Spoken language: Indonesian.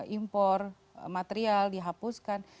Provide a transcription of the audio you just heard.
impor material dihapuskan